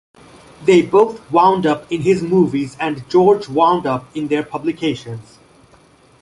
They both wound up in his movies and George wound up in their publications.